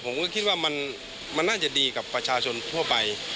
ผมก็คิดว่ามันน่าจะดีกับประชาชนทั่วไป